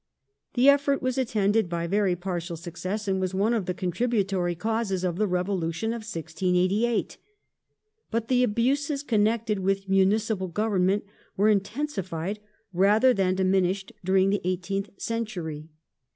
^ The effort was attended by very partial success, and was one of the contributory causes of the Revolution of 1688. But the abuses connected with municipal government were intensified rather than diminished during the eighteenth century.